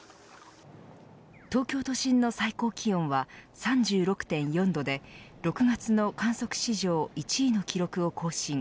東京都心の最高気温は３６．４度で６月の観測史上１位の記録を更新。